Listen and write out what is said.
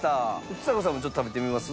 ちさ子さんもちょっと食べてみます？